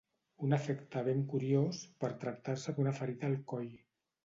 Un efecte ben curiós, per tractar-se d'una ferida al coll